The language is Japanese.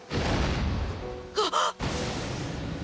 あっ！